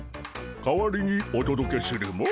代わりにおとどけするモ。